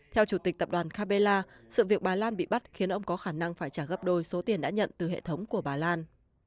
theo chủ tịch tập đoàn capella sự việc bà lan bị bắt khiến ông có khả năng phải trả gấp đôi số tiền đã nhận từ hệ thống của bà lan